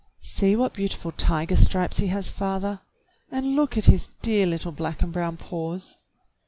"See what beautiful tiger stripes he has, father, and look at his dear little black and brown paws."